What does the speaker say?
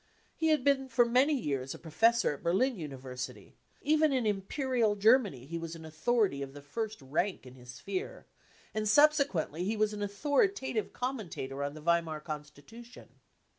He had been for many years a . professor at Berlin University ; even in Imperial Germany he was an authority of the first rank in his sphere, and subsequently he was an .authoritative commentator on the Weimar Constitution.